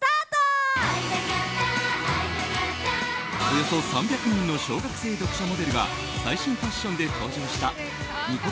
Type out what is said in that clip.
およそ３００人の小学生読者モデルが最新ファッションで登場したニコ☆